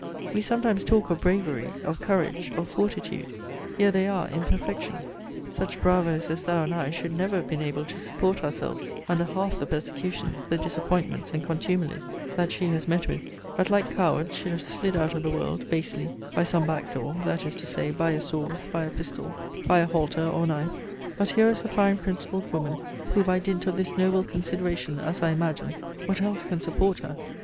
We sometimes talk of bravery, of courage, of fortitude! Here they are in perfection! Such bravoes as thou and I should never have been able to support ourselves under half the persecutions, the disappointments, and contumelies, that she has met with; but, like cowards, should have slid out of the world, basely, by some back door; that is to say, by a sword, by a pistol, by a halter, or knife; but here is a fine principled woman, who, by dint of this noble consideration, as I imagine, [What else can support her?